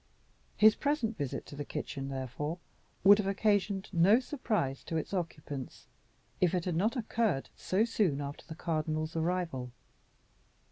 His present visit to the kitchen, therefore, would have occasioned no surprise to its occupants if it had not occurred so soon after the cardinal's arrival.